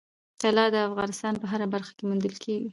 طلا د افغانستان په هره برخه کې موندل کېږي.